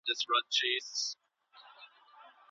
ولي مدام هڅاند د هوښیار انسان په پرتله ژر بریالی کېږي؟